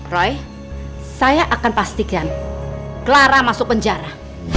roy saya akan pastikan clara masuk penjara